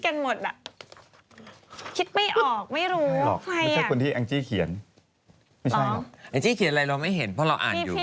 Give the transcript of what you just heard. คนแรกใครน่ะ